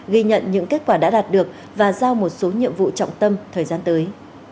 ghi nhận những kết quả đã đạt được và giao một số nhiệm vụ trọng tâm thời gian tới